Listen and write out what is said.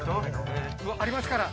ありますから！